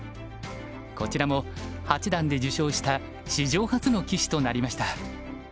こちらも八段で受賞した史上初の棋士となりました。